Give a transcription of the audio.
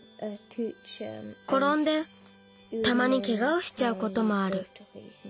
ころんでたまにケガをしちゃうこともある。